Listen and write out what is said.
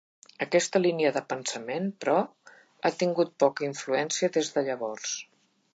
Aquesta línia de pensament, però, ha tingut poca influència des de llavors.